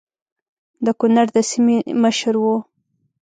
د کنړ د سیمې مشر وو.